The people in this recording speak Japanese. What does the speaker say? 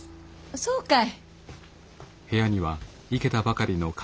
そうかい。